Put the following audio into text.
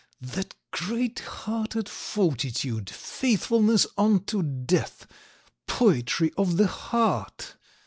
. that great hearted fortitude, faithfulness unto death, poetry of the heart.